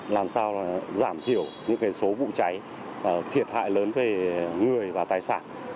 làm sao giảm thiểu những số vụ cháy thiệt hại lớn về người và tài sản